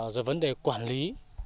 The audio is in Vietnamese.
rồi vấn đề quản lý